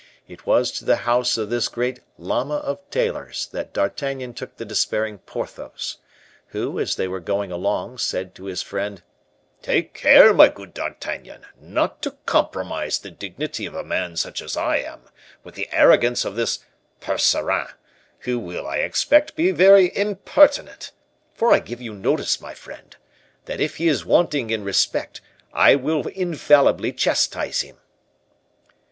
It was to the house of this grand llama of tailors that D'Artagnan took the despairing Porthos; who, as they were going along, said to his friend, "Take care, my good D'Artagnan, not to compromise the dignity of a man such as I am with the arrogance of this Percerin, who will, I expect, be very impertinent; for I give you notice, my friend, that if he is wanting in respect I will infallibly chastise him."